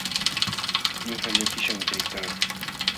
Ñuqa llakishqan kaykaa.